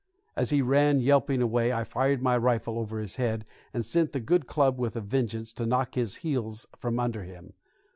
As he ran yelping away I fired my rifle over his head, and sent the good club with a vengeance to knock his heels from under him.